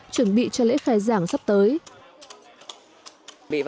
chuẩn bị cho lễ khai giảng sắp tới